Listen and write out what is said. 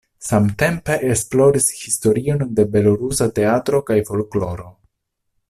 Samtempe esploris historion de belorusa teatro kaj folkloro.